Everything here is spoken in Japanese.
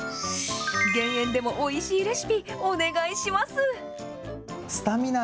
減塩でもおいしいレシピ、お願いします。